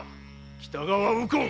北川右近